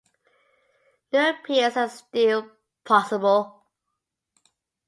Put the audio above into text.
New appeals are still possible.